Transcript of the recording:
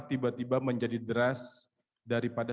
tiba tiba menjadi deras daripada